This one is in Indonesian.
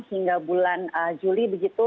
hingga bulan juli begitu